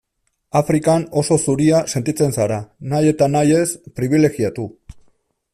Afrikan oso zuria sentitzen zara, nahi eta nahi ez pribilegiatu.